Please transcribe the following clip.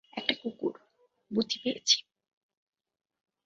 একটা কুকুর, বুদ্ধি পেয়েছি।